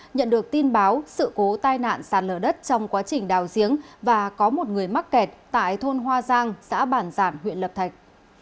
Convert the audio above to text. nhận được tin báo sự cố tai nạn sàn lở đất trong quá trình đào giếng và có một người mắc kẹt tại thôn hoa giang xã bản giản huyện lập thạch